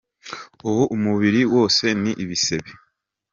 Ubu umubiri wose ni ibisebe ».